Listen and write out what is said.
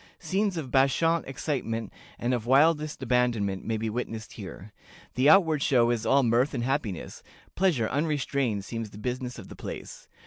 Scenes of bacchant excitement and of wildest abandonment may be witnessed here. The outward show is all mirth and happiness; pleasure unrestrained seems the business of the place.